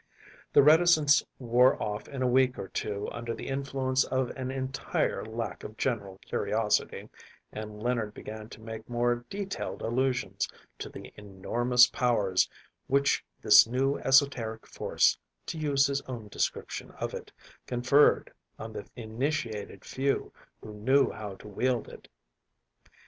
The reticence wore off in a week or two under the influence of an entire lack of general curiosity, and Leonard began to make more detailed allusions to the enormous powers which this new esoteric force, to use his own description of it, conferred on the initiated few who knew how to wield it.